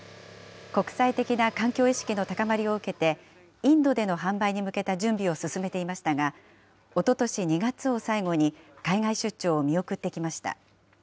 国際的な環境意識の高まりを受けて、インドでの販売に向けた準備を進めていましたが、おととし２月を最後に海外出張を見送ってきました。